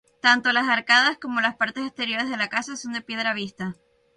Tanto las arcadas como las partes exteriores de la casa son de piedra vista.